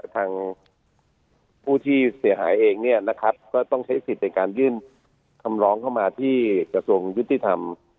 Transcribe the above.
คนที่เสียหายเองเนี่ยต้องใช้สิทธิ์ถึงที่การยื่นทำล้องเข้ามาที่กระทรวงยุติธรรม